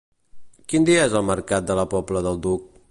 Quin dia és el mercat de la Pobla del Duc?